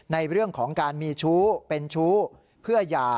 ในเรื่องของการมีชู้เป็นชู้เพื่อหย่า